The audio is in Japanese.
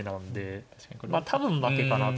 まあ多分負けかなと。